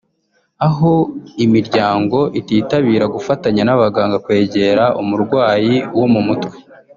aho imiryango ititabira gufatanya n’abaganga kwegera umurwayi wo mu mutwe